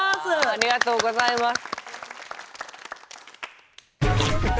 ありがとうございます。